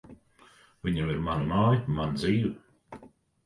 Viņam ir mana māja, mana dzīve.